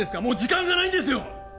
もう時間がないんですよ！